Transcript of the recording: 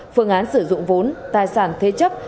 phương án sử dụng vốn tài sản thế chấp